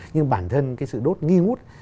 nhưng bản thân cái sự đốt nghi ngút